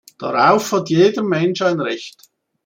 Darauf hat jeder Mensch ein Recht.